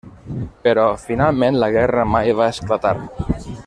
Però finalment la guerra mai va esclatar.